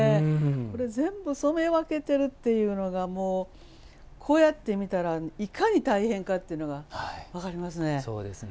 これ、全部染め分けてるっていうのがこうやって見たらいかに大変かっていうのが分かりますね。